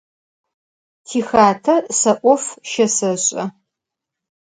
Tixate se 'of şıseş'e.